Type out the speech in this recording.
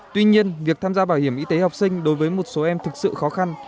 tuy nhiên việc tham gia bảo hiểm y tế học sinh đối với một số em thực sự khó khăn